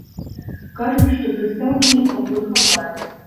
Кажуць, што прыстаўкі ім пакуль хапае.